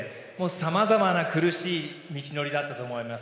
さまざまな苦しい道のりだったと思われます。